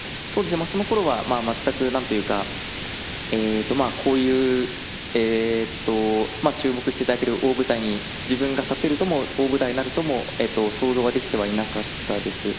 そのころは全くこういう注目していただける大舞台に自分が立てるとも大舞台になるとも想像はできてはいなかったです。